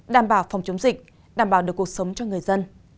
đảm bảo phòng chống dịch đảm bảo được cuộc sống cho người dân